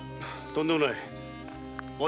とんでもない。